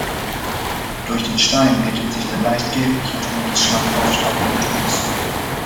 Durch den Stein ergibt sich der leicht gelbliche Ton des schlank aufsteigenden Turms.